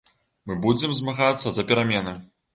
Мы будзем змагацца за перамены!